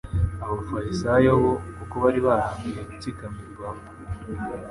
Abafarisayo bo kuko bari barambiwe gutsikamirwa